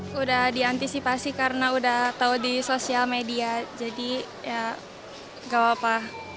sudah diantisipasi karena udah tahu di sosial media jadi ya gak apa apa